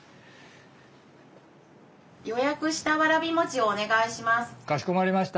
予約したわらび餅をお願いします。